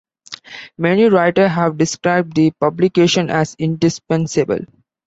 Many writers have described the publication as indispensable.